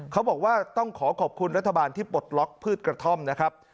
เขาบอกว่าต้องขอขอบคุณรัฐบาลที่ปลดล็อกพืชกระท่อมนะครับ